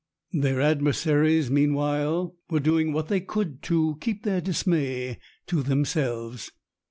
"Their adversaries," meanwhile, were doing what they could to keep their dismay to themselves.